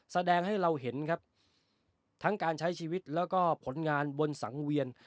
แสดงให้เราเห็นครับทั้งการใช้ชีวิตแล้วก็ผลงานบนสังเวียน